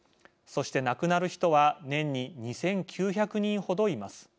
そして、亡くなる人は年に２９００人ほどいます。